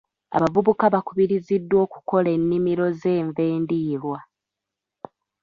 Abavubuka bakubiriziddwa okukola ennimiro z'enva endiirwa.